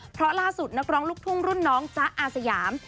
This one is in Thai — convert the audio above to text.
เพราะล่าสุดนักร้องลูกทุ่งรุ่นน้องจ๊ะอาสยาม